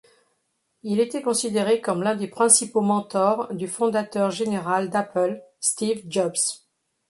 Il était considéré comme l'un des principaux mentors du fondateur général d'Apple, Steve Jobs.